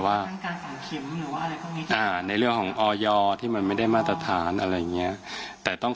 ว่าในเรื่องของออยที่มันไม่ได้มาตรฐานอะไรเงี้ยแต่ต้อง